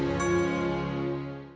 di lancaran saya